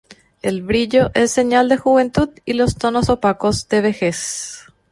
El brillo es señal de juventud y los tonos opacos de vejez.